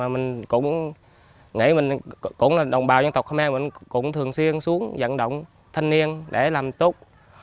mình cũng nghĩ mình cũng là đồng bào dân tộc khmer mình cũng thường xuyên xuống dẫn động thanh niên để làm tốt